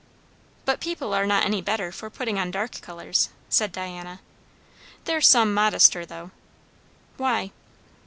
"But people are not any better for putting on dark colours," said Diana. "They're some modester, though." "Why?"